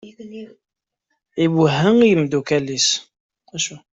Iwehha i yimeddukal-is.